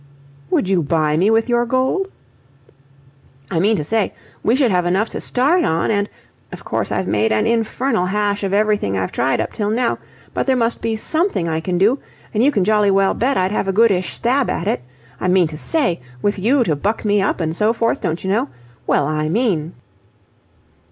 "Would you buy me with your gold?" "I mean to say, we should have enough to start on, and... of course I've made an infernal hash of everything I've tried up till now, but there must be something I can do, and you can jolly well bet I'd have a goodish stab at it. I mean to say, with you to buck me up and so forth, don't you know. Well, I mean..."